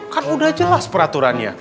kan udah jelas peraturannya